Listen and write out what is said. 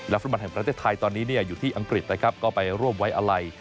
และฝรั่งบันทัยประเทศไทยตอนนี้เนี่ยอยู่ที่อังกฤษนะครับก็ไปร่วมไว้อะไหล